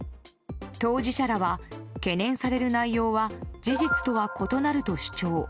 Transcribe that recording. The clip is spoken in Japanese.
当事者らは懸念される内容は事実とは異なると主張。